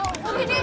oh boleh neng